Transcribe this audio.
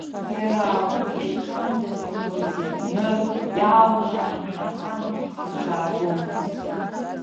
Иара агәы иахьанӡаҭахыз иҳәны иаалгаанӡа, амҩахь ирзаагомызт.